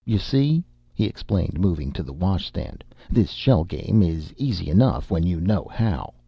You see," he explained, moving to the washstand, "this shell game is easy enough when you know how.